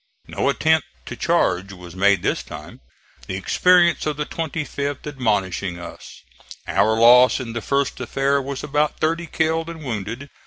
No attempt to charge was made this time, the experience of the 25th admonishing us. Our loss in the first affair was about thirty killed and wounded.